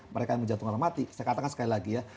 mereka yang menjatuhkan mati saya katakan sekali lagi ya